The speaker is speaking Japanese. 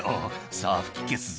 さあ、吹き消すぞ。